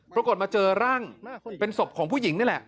ปรากฏมาเจอร่างเป็นศพของผู้หญิงนี่แหละ